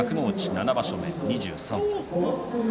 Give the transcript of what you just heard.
７場所目、２３歳です。